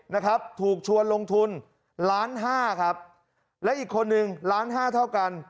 นะครับถูกชวนลงทุนล้านห้าครับและอีกคนนึงล้านห้าเท่ากัน